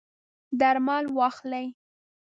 درمل واخلئ